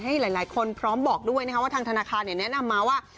หลายคนพร้อมบอกด้วยนะครับว่าทางธนาคารแนะนำมาว่า